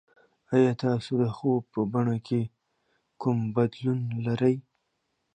ایا تاسو د خوب په بڼه کې کوم بدلون لرئ؟